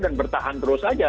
dan bertahan terus saja